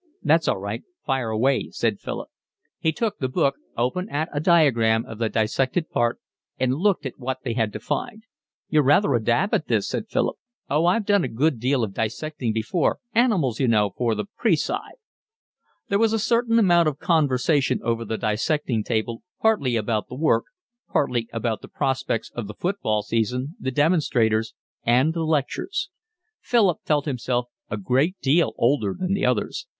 "That's all right, fire away," said Philip. He took the book, open at a diagram of the dissected part, and looked at what they had to find. "You're rather a dab at this," said Philip. "Oh, I've done a good deal of dissecting before, animals, you know, for the Pre Sci." There was a certain amount of conversation over the dissecting table, partly about the work, partly about the prospects of the football season, the demonstrators, and the lectures. Philip felt himself a great deal older than the others.